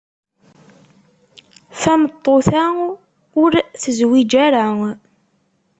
Tameṭṭut-a ur tezwij ara.